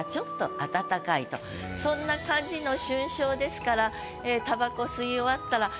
そんな感じの「春宵」ですから。